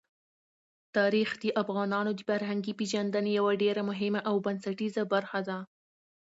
تاریخ د افغانانو د فرهنګي پیژندنې یوه ډېره مهمه او بنسټیزه برخه ده.